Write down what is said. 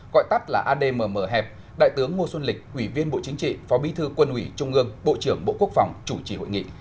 gọi tắt là admm hẹp đại tướng ngô xuân lịch ủy viên bộ chính trị phó bí thư quân ủy trung ương bộ trưởng bộ quốc phòng chủ trì hội nghị